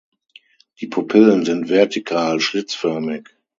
Die Pupillen sind vertikal-schlitzförmig.